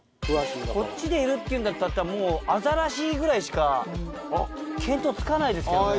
こっちでいるっていうんだったらもうアザラシぐらいしか見当つかないですけどね。